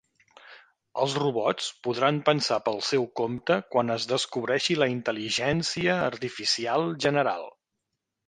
Els robots podran pensar pel seu compte quan es descobreixi la intel·ligència artificial general.